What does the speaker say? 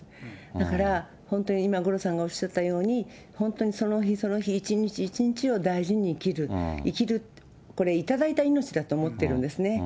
だから、本当に今、五郎さんがおっしゃったように、本当にその日その日、一日一日を大事に生きる、生きる、これ、頂いた命だと思ってるんですね。